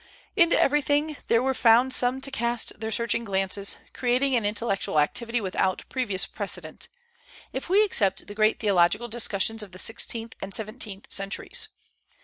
Into everything there were found some to cast their searching glances, creating an intellectual activity without previous precedent, if we except the great theological discussions of the sixteenth and seventeenth centuries.